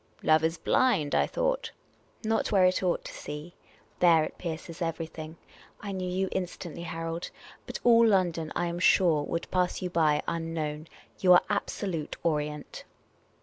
" Love is blind, I thought." " Not where it ought to see. There, it pierces everything. I knew you instantly, Harold. But all London, I am .sure, would pass you by, unknown. You are absolute Orient."